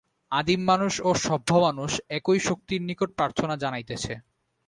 আদিম মানুষ ও সভ্য মানুষ একই শক্তির নিকট প্রার্থনা জানাইতেছে।